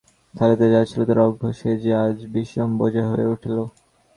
থালিতে যা ছিল তার অর্ঘ্য, সে যে আজ বিষম বোঝা হয়ে উঠল!